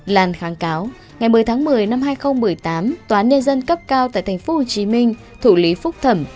lan kháng cáo ngày một mươi tháng một mươi năm hai nghìn một mươi tám tòa án nhân dân cấp cao tại tp hcm thủ lý phúc thẩm